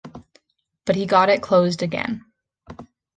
But he got it closed again.